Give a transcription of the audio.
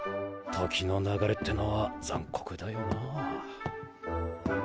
時の流れってのは残酷だよな。